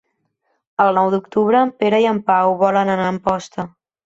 El nou d'octubre en Pere i en Pau volen anar a Amposta.